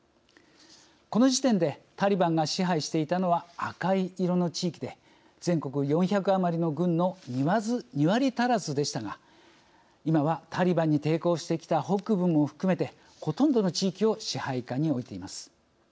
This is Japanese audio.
この時点でタリバンが支配していたのは赤い色の地域で全国４００余りの郡の２割足らずでしたが今はタリバンに抵抗してきた北部も含めてほとんどの地域を支配下に置いています。